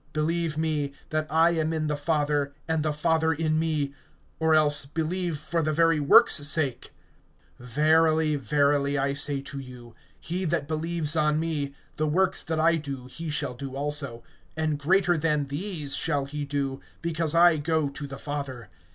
(11)Believe me, that I am in the Father, and the Father in me; or else believe for the very works' sake. (12)Verily, verily, I say to you, he that believes on me, the works that I do he shall do also, and greater than these shall he do, because I go to the Father.